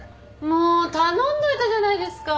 もう頼んどいたじゃないですか。